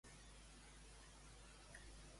Què més enclou aquest pacte?